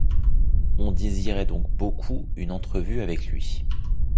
On désirait donc beaucoup une entrevue avec lui.